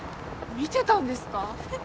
見てたんですか？